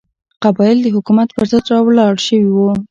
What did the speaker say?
قبایل د حکومت پر ضد راولاړ شوي وو.